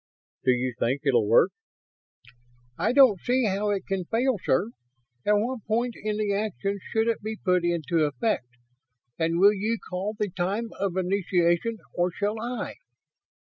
"Do you think it'll work?" "I don't see how it can fail, sir. At what point in the action should it be put into effect? And will you call the time of initiation, or shall I?"